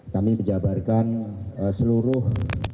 kami menjabarkan seluruh